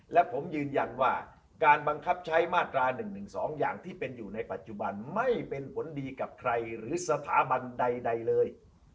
และผมยืนยันว่าการบังคับใช้มาตรา๑๑๒อย่างที่เป็นอยู่ในปัจจุบันไม่เป็นผลดีกับใครหรือสถาบันใดเลย